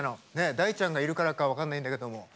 大ちゃんがいるからか分かんないんだけども。